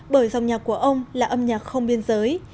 bởi dòng nhạc của ông là âm nhạc không biên giới